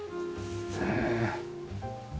ねえ。